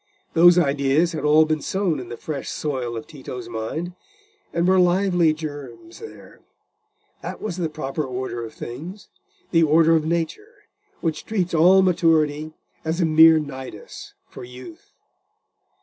Those ideas had all been sown in the fresh soil of Tito's mind, and were lively germs there: that was the proper order of things—the order of nature, which treats all maturity as a mere nidus for youth.